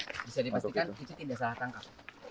bisa dipastikan itu tidak salah tangkap